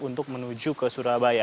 untuk menuju ke surabaya